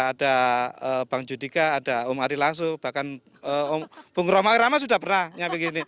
ada bang judika ada om ari langsu bahkan om bung romai rama sudah pernah